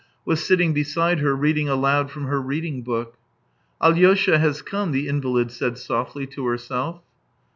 was sitting beside her reading aloud from her reading book. " Alyosha has come," the invalid said softly to herself.